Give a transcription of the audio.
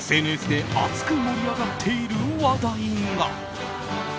今、ＳＮＳで熱く盛り上がっている話題が。